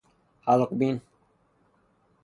حلق بین